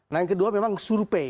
nah yang kedua memang survei